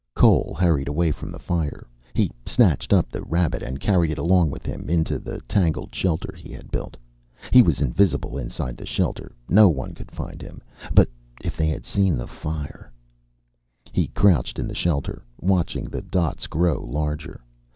Cole hurried away from the fire. He snatched up the rabbit and carried it along with him, into the tangled shelter he had built. He was invisible, inside the shelter. No one could find him. But if they had seen the fire He crouched in the shelter, watching the dots grow larger.